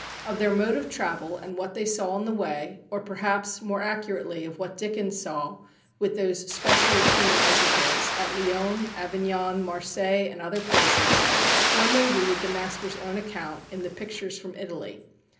Of their mode of travel, and what they saw on the way, or perhaps, more accurately, of what Dickens saw, with those specially keen eyes of his, at Lyons, Avignon, Marseilles, and other places one may read the master's own account in the "Pictures from Italy."